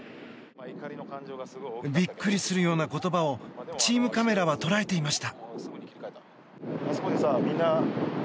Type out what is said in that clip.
ビックリするような言葉をチームカメラは捉えていました。